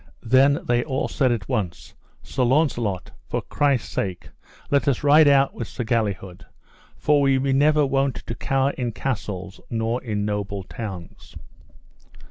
Then they all said at once: Sir Launcelot, for Christ's sake let us out ride with Sir Galihud, for we be never wont to cower in castles nor in noble towns.